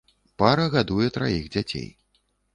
Пара гадуе траіх дзяцей.